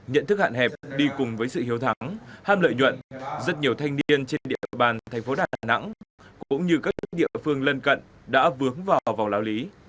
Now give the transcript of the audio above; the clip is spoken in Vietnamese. nhận thức hạn hẹp đi cùng với sự hiếu thắng ham lợi nhuận rất nhiều thanh niên trên địa bàn thành phố đà nẵng cũng như các địa phương lân cận đã vướng vào vòng lao lý